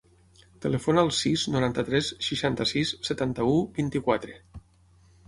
Telefona al sis, noranta-tres, seixanta-sis, setanta-u, vint-i-quatre.